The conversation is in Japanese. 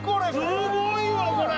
すごいわこれ。